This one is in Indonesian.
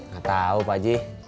gak tau pak ji